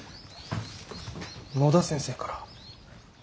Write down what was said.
野田先生から。